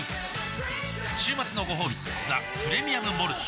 週末のごほうび「ザ・プレミアム・モルツ」